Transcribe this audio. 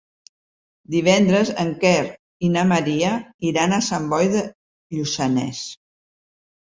Divendres en Quer i na Maria iran a Sant Boi de Lluçanès.